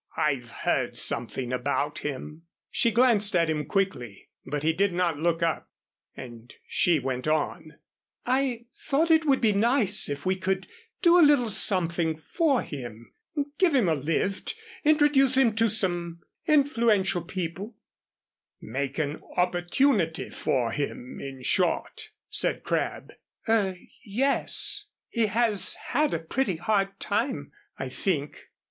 "I've heard something about him." She glanced at him quickly, but he did not look up and she went on: "I thought it would be nice if we could do a little something for him, give him a lift, introduce him to some influential people " "Make an opportunity for him, in short," said Crabb. "Er yes. He has had a pretty hard time, I think."